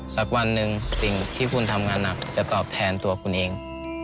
สักวันหนึ่งสิ่งที่คุณทำงานหนักจะตอบแทนตัวคุณเอง